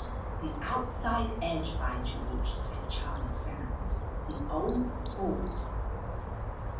"The outside edge, by George!" said Charlie Sands. "The old sport!"